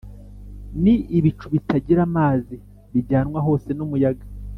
ni ibicu bitagira amazi bijyanwa hose n’umuyaga